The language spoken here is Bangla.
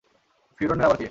ফিওরনের আবার কে?